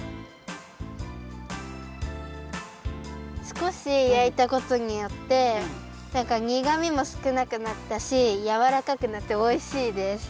すこしやいたことによってなんかにがみもすくなくなったしやわらかくなっておいしいです。